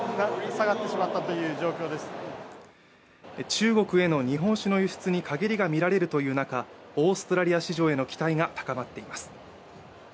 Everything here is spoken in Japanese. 中国への日本酒の輸出に陰りが見られるという中オーストラリア市場への期待が高まっています。